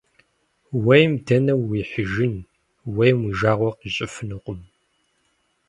Ууейм дэнэ уихьыжын, ууейм уи жагъуэ къищӀыфынукъым.